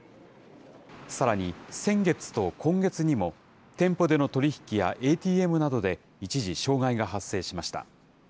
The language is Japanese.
さらに、先月と今月にも、店舗での取り引きやＡＴＭなどで一時、障害が発生しました。